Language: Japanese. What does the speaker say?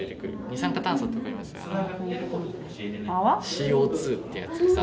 ＣＯ２ってやつです。